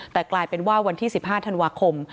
แต่กลายเป็นว่าวันที่๑๕ธันวาคม